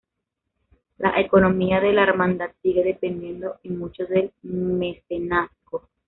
La economía de la Hermandad sigue dependiendo y mucho del mecenazgo.